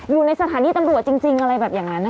อยู่ในสถานีตำรวจจริงอะไรแบบอย่างนั้นนะคะ